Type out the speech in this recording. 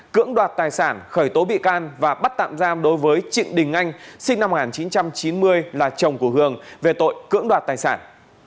cưỡng đoạt tài sản khởi tố bị can và bắt tạm giam đối với trịnh đình anh sinh năm một nghìn chín trăm chín mươi là chồng của hường về tội cưỡng đoạt tài sản